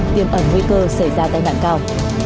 tiêm ẩn nguy cơ xảy ra tai nạn cao